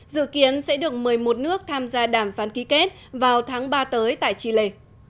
dự kiến sẽ được một mươi một nước tham gia đàm phán ký kết vào tháng ba tới tại chile